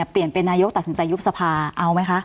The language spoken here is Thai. เปลี่ยนเป็นนายกตัดสินใจยุบสภาเอาไหมคะ